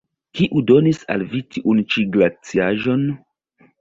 Kiu donis al vi tiun ĉi glaciaĵon?